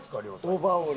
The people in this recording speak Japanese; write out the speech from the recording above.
オーバーオール。